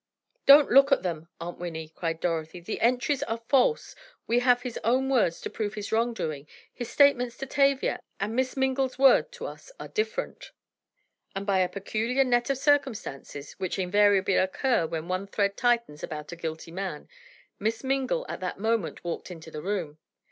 "Don't look at them, Aunt Winnie," cried Dorothy. "The entries are false! We have his own words to prove his wrong doing! His statements to Tavia and Miss Mingle's word to us are different." And by a peculiar net of circumstances, which invariably occur when one thread tightens about a guilty man, Miss Mingle at that moment walked into the room!